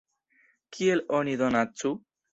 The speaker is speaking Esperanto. Kiel oni donacu?